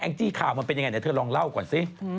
จี้ข่าวมันเป็นยังไงเดี๋ยวเธอลองเล่าก่อนสิ